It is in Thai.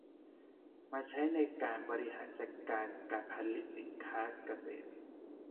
มาใช้ในการบริหารจัดการการผลิตสินค้าเกษตร